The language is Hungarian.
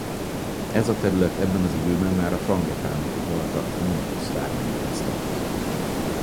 Ez a terület ebben az időben már a Frangepánok uralta Modrus vármegyéhez tartozott.